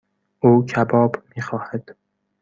او کباب میخواهد.